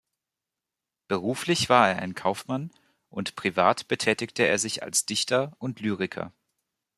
Beruflich war er ein Kaufmann und privat betätigte er sich als Dichter und Lyriker.